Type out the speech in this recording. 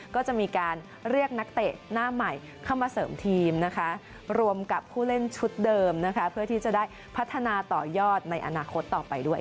ก็จะมีการเรียกนักเตะหน้าใหม่เข้ามาเสริมทีมนะคะรวมกับผู้เล่นชุดเดิมนะคะเพื่อที่จะได้พัฒนาต่อยอดในอนาคตต่อไปด้วย